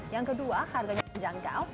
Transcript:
yang kedua harganya terjangkau